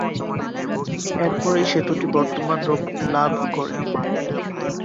এর পরেই সেতুটি বর্তমান রূপ লাভ করে।